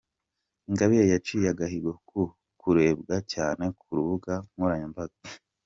Ingabire yaciye agahigo ko kurebwa cyane kurubuga nkoranya mbaga